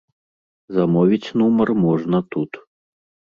Замовіць нумар можна тут.